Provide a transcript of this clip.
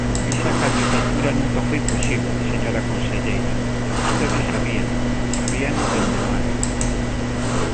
Esa candidatura nunca foi posible, señora conselleira, e vostedes sabíano; sabíano dende maio.